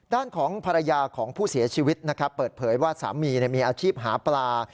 ด้านของภรรยาของผู้เสียชีวิตนะครับเปิดเผยว่าสามีมีอาชีพหาปลา